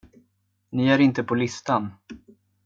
Ni är inte på listan.